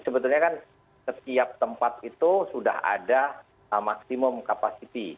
sebetulnya kan setiap tempat itu sudah ada maksimum kapasiti